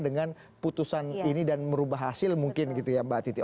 dengan putusan ini dan merubah hasil mungkin gitu ya mbak titi